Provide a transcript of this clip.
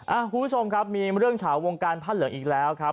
คุณผู้ชมครับมีเรื่องเฉาวงการผ้าเหลืองอีกแล้วครับ